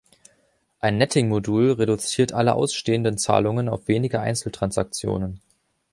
Ein Netting-Modul reduziert alle ausstehenden Zahlungen auf wenige Einzeltransaktionen.